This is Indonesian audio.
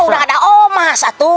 cuma mau ada mas satu